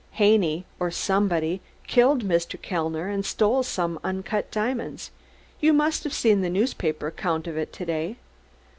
Haney, or somebody, killed Mr. Kellner and stole some uncut diamonds you must have seen the newspaper account of it to day.